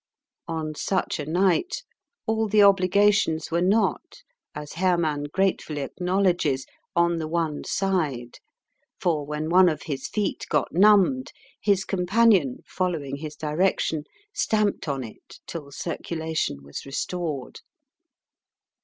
On such a night all the obligations were not, as Herrmann gratefully acknowledges, on the one side; for when one of his feet got numbed, his companion, following his direction, stamped on it till circulation was restored.